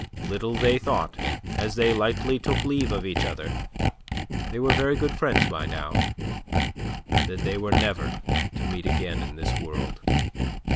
Little they thought as they lightly took leave of each other they were very good friends by now that they were never to meet again in this world.